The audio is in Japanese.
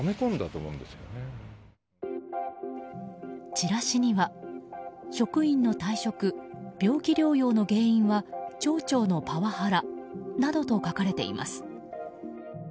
チラシには職員の退職・病気療養の原因は町長のパワハラなどと書かれています。